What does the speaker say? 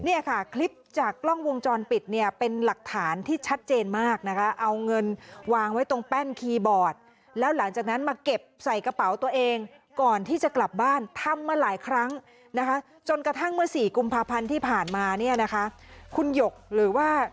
อีกวันหนึ่งจะต้องเอาไปเข้าแบงค์อะไรอย่างนี้ค่ะ